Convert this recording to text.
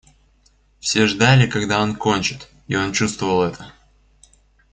Все ждали, когда он кончит, и он чувствовал это.